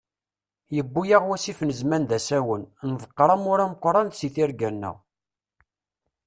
Yewwi-yaɣ wasif n zzman d asawen, nḍeqqer amur ameqran si tirga-nneɣ.